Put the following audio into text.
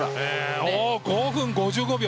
５分５５秒８。